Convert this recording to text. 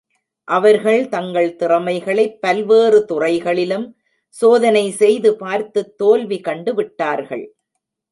அவர்கள் தங்கள் திறமைகளைப் பல்வேறு துறைகளிலும் சோதனை செய்து பார்த்துத் தோல்வி கண்டுவிட்டார்கள்.